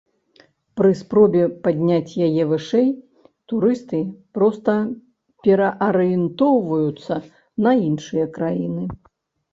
Пры спробе падняць яе вышэй, турысты проста пераарыентоўваюцца на іншыя краіны.